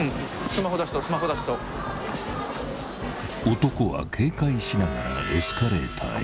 ［男は警戒しながらエスカレーターへ］